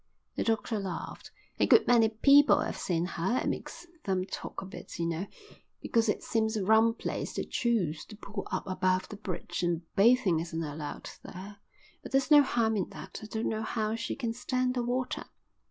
The doctor laughed. "A good many people have seen her. It makes them talk a bit, you know, because it seems a rum place to choose, the pool up above the bridge, and bathing isn't allowed there, but there's no harm in that. I don't know how she can stand the water."